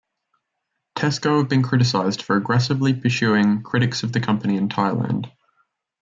Tesco have been criticized for aggressively pursuing critics of the company in Thailand.